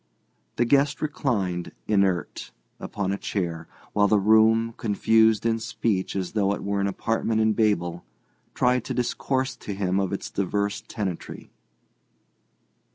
The guest reclined, inert, upon a chair, while the room, confused in speech as though it were an apartment in Babel, tried to discourse to him of its divers tenantry.